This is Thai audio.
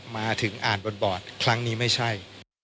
มาถึงอ่านบนบอร์ดครั้งนี้ไม่ใช่